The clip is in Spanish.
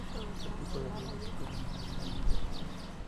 El tipo de relieve que predomina es el valle o depresión.